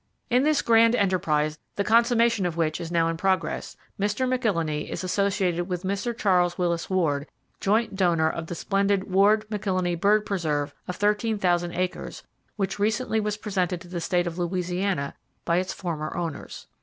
In this grand enterprise, the consummation of which is now in progress, Mr. McIlhenny is associated with Mr. Charles Willis Ward, joint donor of the splendid Ward McIlhenny Bird Preserve of 13,000 acres, which recently was presented to the State of Louisiana by its former owners.